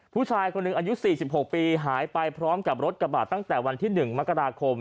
ผู้ชายคนหนึ่งอายุ๔๖ปีหายไปพร้อมกับรถกระบาดตั้งแต่วันที่๑มกราคม